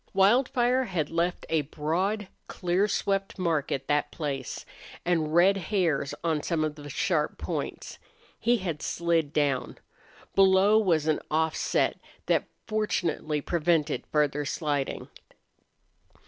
Wildfire had left a broad, clear swept mark at that place, and red hairs on some of the sharp points. He had slid down. Below was an offset that fortunately prevented further sliding.